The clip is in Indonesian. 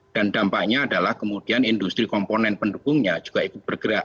dan dampaknya adalah kemudian industri komponen pendukungnya juga bergerak